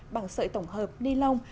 bằng sợi tổng hợp nilon